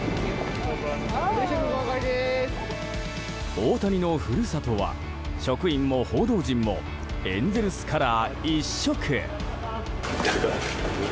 大谷の故郷は、職員も報道陣もエンゼルスカラー、一色。